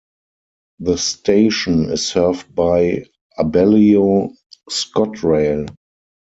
The station is served by Abellio ScotRail.